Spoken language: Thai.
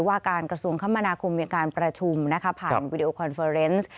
ว่าการกระทรวงคำมณาคมอย่างการประชุมผ่านวีดีโอคอนเฟอร์เรนซ์